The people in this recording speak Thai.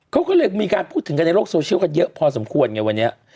เขาก็เลยมีการพูดถึงกันในโลกโซเชียลกันเยอะพอสมควรไงวันนี้